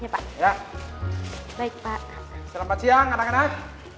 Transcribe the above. hai ya pak baik pak selamat siang anak anak